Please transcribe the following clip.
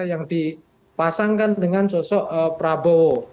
yang dipasangkan dengan sosok prabowo